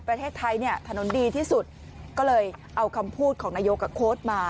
ประเทศไทยเนี่ยถนนดีที่สุดก็เลยเอาคำพูดของนายกกับโค้ดมา